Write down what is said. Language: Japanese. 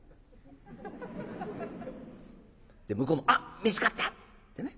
で向こうも「あっ見つかった」ってね。